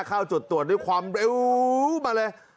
เข้าจุดตรวจด้วยความเร็วมาเลย